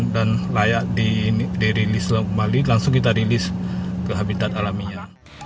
dan layak dirilis kembali langsung kita rilis ke habitat alaminya